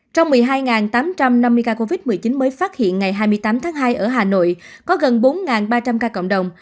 trong một mươi hai tám trăm năm mươi ca covid một mươi chín mới phát hiện ngày hai mươi tám tháng hai ở hà nội có gần bốn ba trăm linh ca cộng đồng